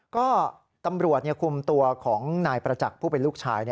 ก็ตำรวจคุมตัวของนายประจักษ์ผู้เป็นลูกชาย